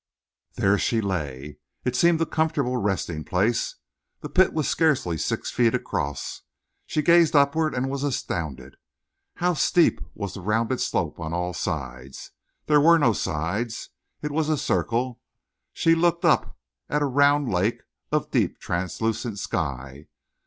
There she lay. It seemed a comfortable resting place. The pit was scarcely six feet across. She gazed upward and was astounded. How steep was the rounded slope on all sides! There were no sides; it was a circle. She looked up at a round lake of deep translucent sky.